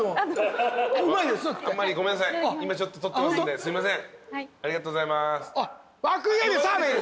ああすいません。